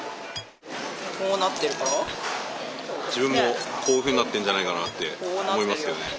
自分もこういうふうになってるんじゃないかなって。